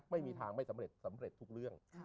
ไม่มีทางไม่สำเร็จสำเร็จทุกเรื่อง